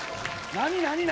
何？